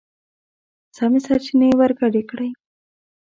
سمې سرچينې ورګډې کړئ!.